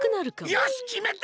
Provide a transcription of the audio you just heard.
よしきめた！